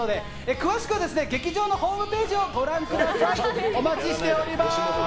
詳しくは、劇場ホームページをご覧ください。